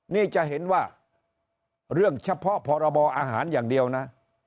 นี่จะเห็นว่าเรื่องเฉพาะพรบอาหารอย่างเดียวนะ